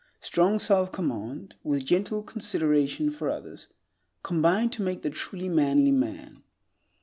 Strong selfcommand, with gentle consideration for others, combine to make the truly manly man.